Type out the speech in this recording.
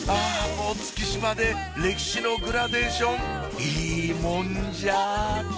もう月島で歴史のグラデーションいいもんじゃってな感じ